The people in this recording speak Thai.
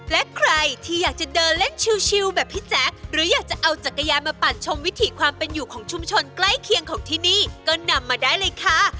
และใครที่อยากจะเดินเล่นชิวแบบพี่แจ๊คหรืออยากจะเอาจักรยานมาปั่นชมวิถีความเป็นอยู่ของชุมชนใกล้เคียงของที่นี่ก็นำมาได้เลยค่ะ